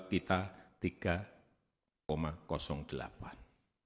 kita tiga delapan persen